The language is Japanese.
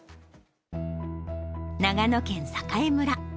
長野県栄村。